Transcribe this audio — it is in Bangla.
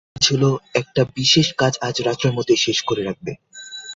মধুসূদন পণ করেছিল, একটা বিশেষ কাজ আজ রাত্রের মধ্যেই শেষ করে রাখবে।